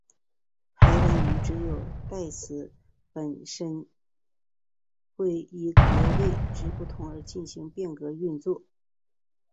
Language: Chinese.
排湾语只有代词本身会依格位之不同而进行变格运作。